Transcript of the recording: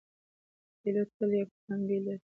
پیلوټ تل یو پلان “B” لري.